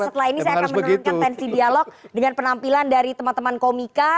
setelah ini saya akan menurunkan tensi dialog dengan penampilan dari teman teman komika